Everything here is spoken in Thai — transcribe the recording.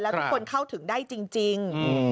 ทุกคนเข้าถึงได้จริง